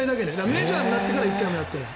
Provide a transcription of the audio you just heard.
メジャーになってから１回もやってない。